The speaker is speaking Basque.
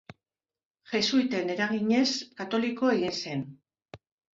Jesuiten eraginez katoliko egin zen.